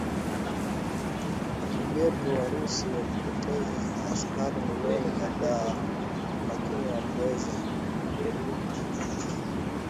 wa Kisovyeti Warusi walipoteza askari milioni kadhaa lakini waliweza